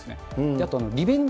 あと、リベンジ